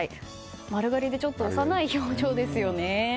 丸刈りでちょっと幼い表情ですね。